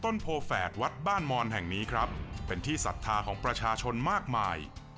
โพแฝดวัดบ้านมอนแห่งนี้ครับเป็นที่ศรัทธาของประชาชนมากมาย